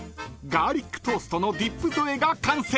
ガーリックトーストのディップ添えが完成］